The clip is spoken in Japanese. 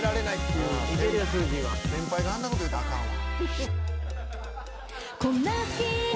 先輩があんなこと言ったらあかんわ。